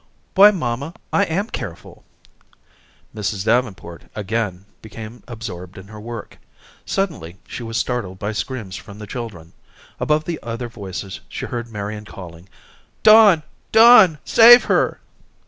"Why, mamma, I am careful." Mrs. Davenport again became absorbed in her work. Suddenly, she was startled by screams from the children. Above the other voices she heard Marian calling: "Don, Don, save her."